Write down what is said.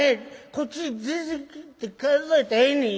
こっちへ出てきて数えたらええねん。